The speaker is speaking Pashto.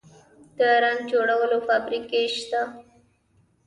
د رنګ جوړولو فابریکې شته؟